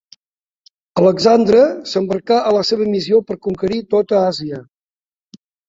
Alexandre s'embarca a la seva missió per conquerir tota Àsia.